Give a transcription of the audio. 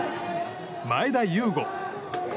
前田悠伍。